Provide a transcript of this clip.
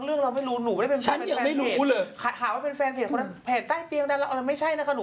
ใครคือนักร้องเสียงเอกลักษณ์